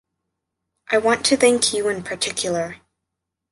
I want to thank you in particular.